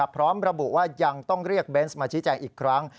พร้อมระบุว่ายังต้องเรียกเบนส์มาชี้แจงอีกครั้ง